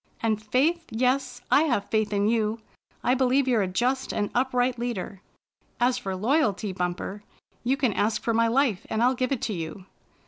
And faith, yes, I have faith in you. I believe you're a just and upright leader. As for loyalty. Bumper, you can ask for my life, and I'll give it to you."